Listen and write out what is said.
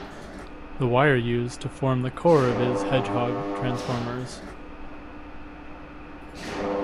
The wire used to form the core of his ‘hedgehog’ transformers.